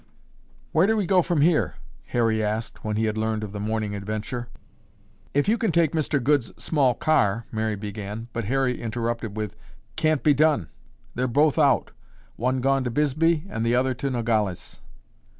"Where do we go from here?" Harry asked when he had learned of the morning adventure. "If you can take Mr. Goode's small car," Mary began, but Harry interrupted with, "Can't be done! They're both out, one gone to Bisbee and the other to Nogales."